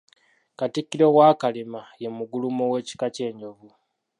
Katikkiro wa Kalema ye Muguluma ow'ekika ky'Enjovu.